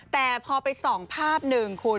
แต่พอไปส่องภาพหนึ่งคุณ